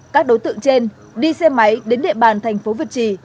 các đối tượng trên đi xe máy đến địa bàn tp việt trì